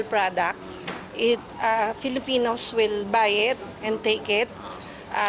produk filipinos akan membelinya dan mengambilnya